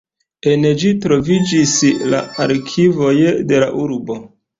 En ĝi troviĝis la arkivoj de la urbo.